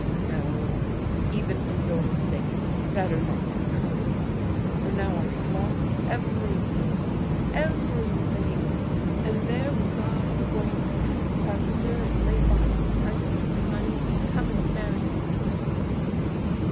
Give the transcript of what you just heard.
No, even for your sake it was better not to come. For now I have lost everything, everything. And there was I going to become a carpenter and lay by a plenty of money and come and marry you when I was big.